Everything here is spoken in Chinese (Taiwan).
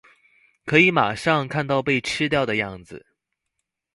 可以馬上看到被吃掉的樣子